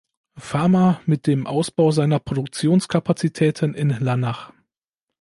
Pharma mit dem Ausbau seiner Produktionskapazitäten in Lannach.